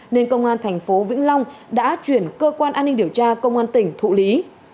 nên công an thành phố vĩnh long đã chuyển cơ quan an ninh điều tra công an tỉnh thụ lý